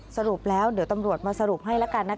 สรุปแล้วเดี๋ยวตำรวจมาสรุปให้ละกันนะคะ